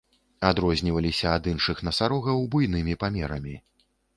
Адрозніваліся ад іншых насарогаў буйнымі памерамі.